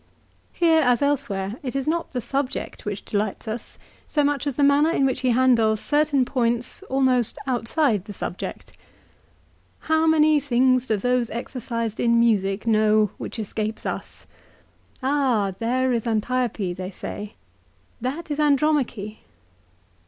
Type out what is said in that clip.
Here as elsewhere it is not the subject which delights us so much as the manner in which he handles certain points almost outside the subject. " How many things do those exercised in music know which escape us. ' Ah there is Antiope ' they say ;' that is Andromache.'